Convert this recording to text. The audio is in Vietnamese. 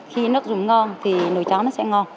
khi nước dùng ngon thì nồi cháo nó sẽ ngon